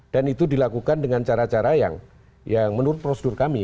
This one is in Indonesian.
dan itu dilakukan dengan cara cara yang menurut prosedur kami